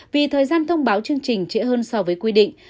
vì thời gian thông báo chương trình trễ hơn so với quy định